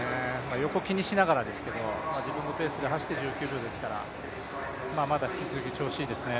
横を気にしながらですけど、自分のペースで走って１９秒ですからまだ引き続き調子いいですね。